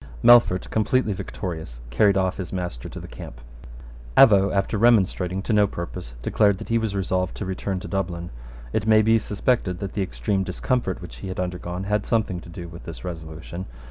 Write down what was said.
Melfort, completely victorious, carried off his master to the camp. Avaux, after remonstrating to no purpose, declared that he was resolved to return to Dublin. It may be suspected that the extreme discomfort which he had undergone had something to do with this resolution.